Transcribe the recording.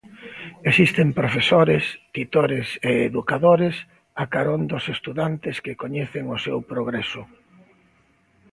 Existen profesores, titores e educadores a carón dos estudantes que coñecen o seu progreso.